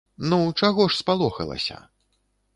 Ну, чаго ж спалохалася?